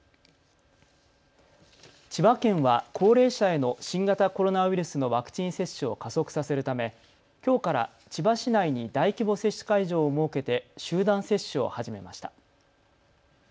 千葉県は高齢者への新型コロナウイルスのワクチン接種を加速させるため、きょうから千葉市内に大規模接種会場を設けて集団接種を始めました。